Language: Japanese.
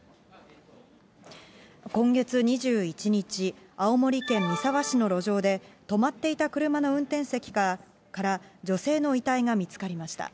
今月２１日、青森県三沢市の路上で、止まっていた車の運転席から、女性の遺体が見つかりました。